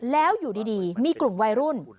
แล้วอยู่ดีมีกลุ่มวัยรุ่น